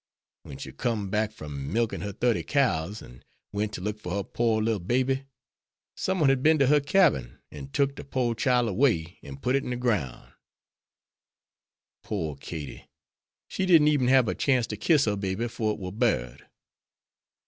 When she com'd back from milkin' her thirty cows, an' went to look for her pore little baby, some one had been to her cabin an' took'd de pore chile away an' put it in de groun'. Pore Katie, she didn't eben hab a chance to kiss her baby 'fore it war buried.